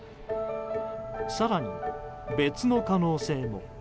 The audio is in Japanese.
更に、別の可能性も。